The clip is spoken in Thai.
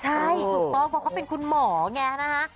ใช่ถูกต้องเพราะเขาเป็นคุณหมอไงนะคะ